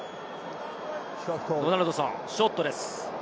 ドナルドソン、ショットです。